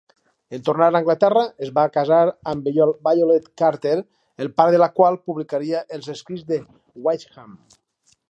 En tornar a Anglaterra, es va casar amb Violet Carter, el pare de la qual publicaria els escrits de Wickham.